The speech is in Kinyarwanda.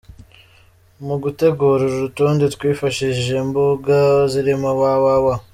Mu gutegura uru rutonde twifashishije imbuga zirimo www.